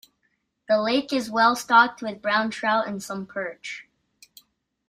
The lake is well stocked with brown trout and some perch.